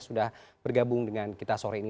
sudah bergabung dengan kita sore ini